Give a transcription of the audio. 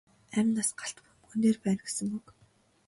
Амь нас галт бөмбөгөн дээр байна гэсэн үг.